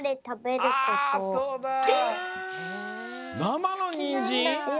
生のにんじん？